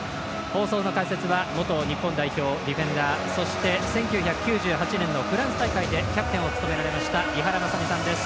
放送の解説は元日本代表のディフェンダー、そして１９９８年のフランス大会でキャプテンを務められました井原正巳さんです。